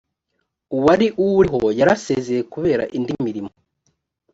uwari uwuriho yarasezeye kubera indi mirimo